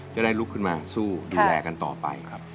จะได้ลุกขึ้นมาสู้ดูแลกันต่อไปครับ